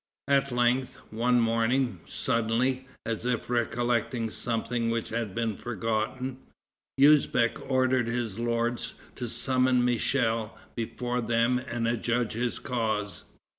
At length, one morning, suddenly, as if recollecting something which had been forgotten, Usbeck ordered his lords to summon Michel before them and adjudge his cause.